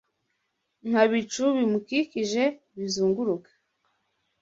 Nka bicu bimukikije bizunguruka